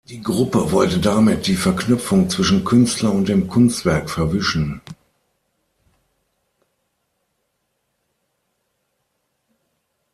Die Gruppe wollte damit die Verknüpfung zwischen Künstler und dem Kunstwerk verwischen.